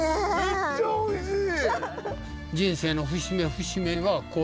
めっちゃおいしい。